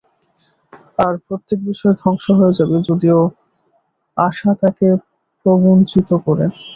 আর প্রত্যেক বিষয় ধ্বংস হয়ে যাবে, যদিও আশা তাকে প্রবঞ্চিত করে।